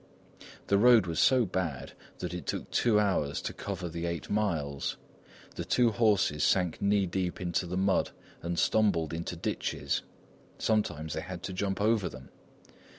The road was so bad that it took two hours to cover the eight miles. The two horses sank knee deep into the mud and stumbled into ditches; sometimes they had to jump over them.